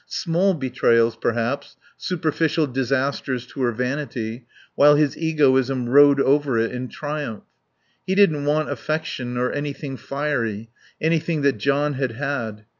Small betrayals perhaps, superficial disasters to her vanity, while his egoism rode over it in triumph. He didn't want affection or anything fiery, anything that John had had.